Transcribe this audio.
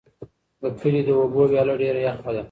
د کلي د اوبو ویاله ډېره یخه ده.